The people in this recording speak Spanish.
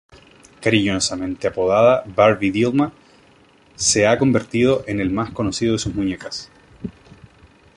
Cariñosamente apodada "Barbie Dilma", se ha convertido en el más conocido de sus muñecas.